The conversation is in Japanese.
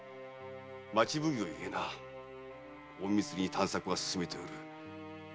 町奉行ゆえな隠密に探索は進めておる。